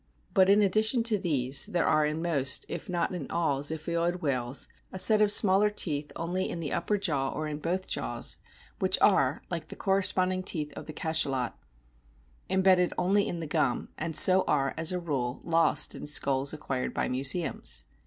But in addition to these there are in most, if not in all, Ziphioid whales a set of smaller teeth only in the upper jaw or in both jaws, which are like the cor responding teeth of the Cachalot embedded only in the gum, and so are, as a rule, lost in skulls acquired by museums.